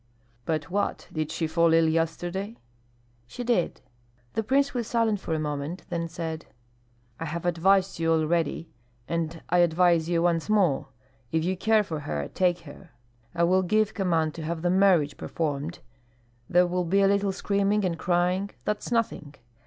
"But what, did she fall ill yesterday?" "She did." The prince was silent for a while, then said: "I have advised you already, and I advise once more, if you care for her take her. I will give command to have the marriage performed. There will be a little screaming and crying, that's nothing!